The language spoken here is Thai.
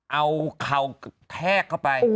เอาเข่าแทกเข้าไป